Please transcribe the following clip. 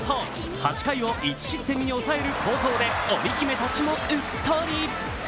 ８回を１失点に抑える好投でオリ姫たちもうっとり。